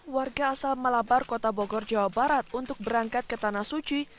warga asal malabar kota bogor jawa barat untuk berangkat ke tanah suci